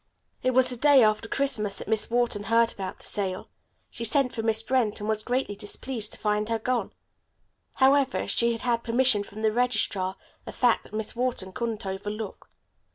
It was the day after Christmas that Miss Wharton heard about the sale. She sent for Miss Brent and was greatly displeased to find her gone. However, she had had permission from the registrar, a fact that Miss Wharton couldn't overlook.